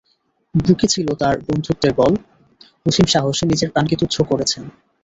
বুকে ছিল তাঁর বন্ধুত্বের বল, অসীম সাহসে নিজের প্রাণকে তুচ্ছ করেছেন।